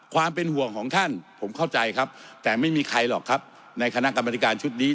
ความเป็นห่วงของท่านผมเข้าใจครับแต่ไม่มีใครหรอกครับในคณะกรรมธิการชุดนี้